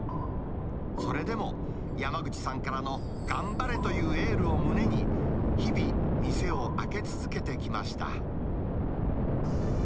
それでも、山口さんからの頑張れというエールを胸に、日々、店を開け続けてきました。